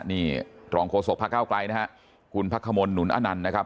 นี่รองโฆษกพระเก้าไกลนะฮะคุณพักขมลหนุนอนันต์นะครับ